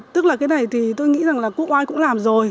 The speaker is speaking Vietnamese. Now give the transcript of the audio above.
tức là cái này thì tôi nghĩ rằng là quốc ai cũng làm rồi